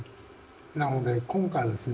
なので今回はですね